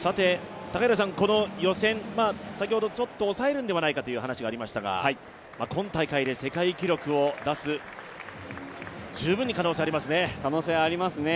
この予選、先ほどちょっと抑えるんではないかという話がありましたが今大会で世界記録を出す可能性十分にありますね。